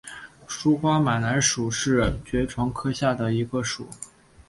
疏花马蓝属是爵床科下的一个属。